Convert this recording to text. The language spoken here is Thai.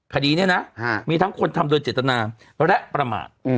คดีนี้นะมีทั้งคนทำโดยเจตนาและประมาท